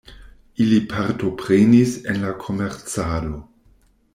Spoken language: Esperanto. Ili partoprenis en la komercado.